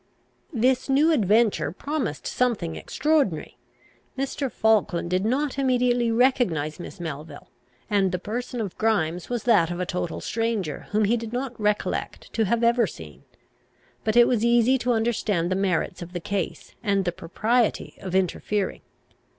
This new adventure promised something extraordinary. Mr. Falkland did not immediately recognise Miss Melville; and the person of Grimes was that of a total stranger, whom he did not recollect to have ever seen. But it was easy to understand the merits of the case, and the propriety of interfering.